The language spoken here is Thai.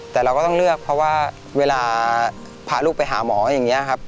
แต่เราก็ต้องเลือกเพราะว่าเวลาพาลูกไปหาหมออย่างนี้ครับ